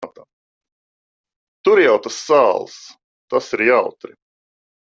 Tur jau tas sāls. Tas ir jautri.